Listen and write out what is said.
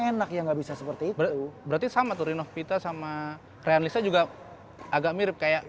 enak ya nggak bisa seperti itu berarti sama renovita sama puedes a juga agak mirip kayak